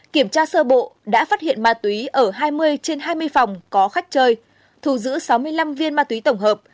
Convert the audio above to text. kiểm tra sơ bộ đã phát hiện ma túy ở hai mươi trên hai mươi phòng có khách chơi thù giữ sáu mươi năm viên ma túy tổng hợp